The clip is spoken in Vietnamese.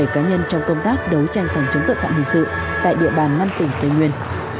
bảy cá nhân trong công tác đấu tranh phòng chống tội phạm hình sự tại địa bàn năm tỉnh tây nguyên